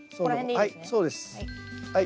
はいそうですはい。